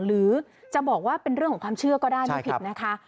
หรือจะบอกว่าเป็นเรื่องของความเชื่อก็ได้ไม่ผิดนะคะ